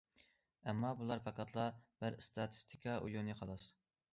ئەمما بۇلار پەقەتلا بىر ئىستاتىستىكا ئويۇنى خالاس.